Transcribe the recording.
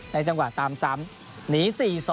จังหวะตามซ้ำหนี๔๒